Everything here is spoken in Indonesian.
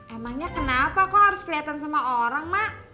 emangnya kenapa kok harus kelihatan sama orang mak